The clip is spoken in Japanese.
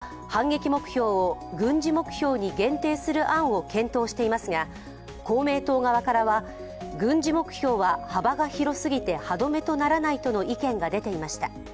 政府は反撃目標を軍事目標に限定する案を検討していますが公明党側からは、軍事目標は幅が広すぎて歯止めとならないとの意見が出ていました。